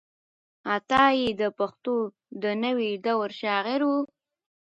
عطايي د پښتو د نوې دور شاعر و.